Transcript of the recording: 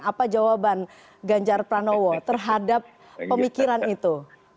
apa jawaban ganjar pranowo terhadap pemikiran itu